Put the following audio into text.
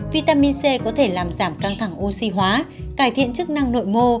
vitamin c có thể làm giảm căng thẳng oxy hóa cải thiện chức năng nội mô